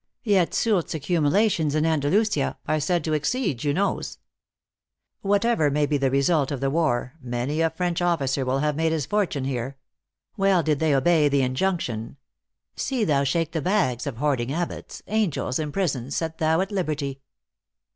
Yet Soult s ac cumulations in Andalusia are said to exceed Junot s. Whatever may be the result of the war, many a French officer will have made his fortune here. Well did they obey the injunction " See thou shake the bags Of hoarding abbots ; angels imprisoned Set thou at liberty.